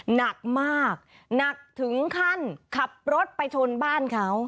หนักมากหนักถึงขั้นขับรถไปชนบ้านเขา